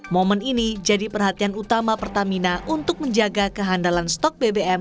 momen ini jadi perhatian utama pertamina untuk menjaga kehandalan stok bbm